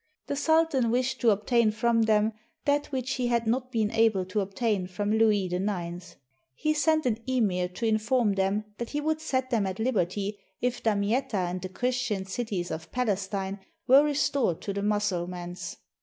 The sultan wished to obtain from them that which he had not been able to obtain from Louis IK. He sent an emir to inform them that he would set them at liberty if Damietta and the Christian cities of Pales tine were restored to the Mussulmans.